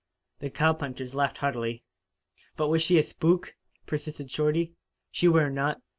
The cowpunchers laughed heartily. "But was she a spook?" persisted Shorty. "She were not.